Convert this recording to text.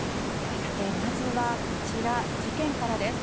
さて、まずは事件からです。